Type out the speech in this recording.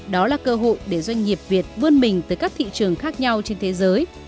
đó là cơ hội để doanh nghiệp việt vươn mình tới các thị trường khác nhau trên thế giới